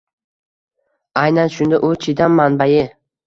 Aynan shunda u chidam manbai.